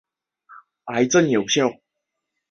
基于细胞的免疫疗法对一些癌症有效。